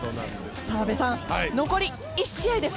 澤部さん、残り１試合です。